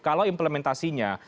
kalau implementasi ini